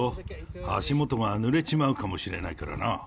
足元がぬれちまうかもしれないからな。